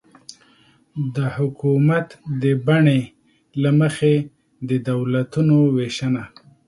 د حکومت د بڼې له مخې د دولتونو وېشنه